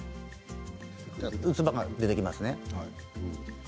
つばが出てきますね？